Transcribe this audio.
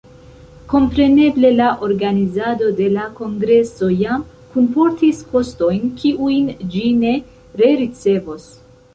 Kompreneble la organizado de la kongreso jam kunportis kostojn, kiujn ĝi ne rericevos.